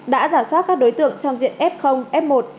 đã giả soát các đối tượng trong diện f f một